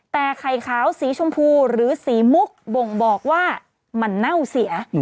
แต่ไข่ขาวสีชมพูหรือสีมุกบ่งบอกว่ามันเน่าเสีย